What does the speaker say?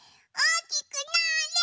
おおきくなれ！